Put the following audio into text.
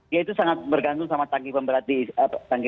ya itu sangat bergantung sama tangki pemberatnya